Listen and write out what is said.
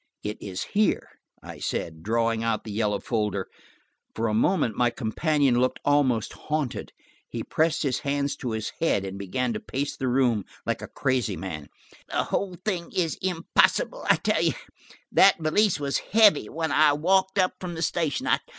"It is here," I said, drawing out the yellow folder. For a moment my companion looked almost haunted. He pressed his hands to his head and began to pace the room like a crazy man. "The whole thing is impossible. I tell you, that valise was heavy when I walked up from the station.